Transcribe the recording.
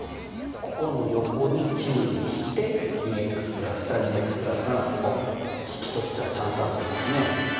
ここの横に注意して（２式としてはちゃんと合ってますね。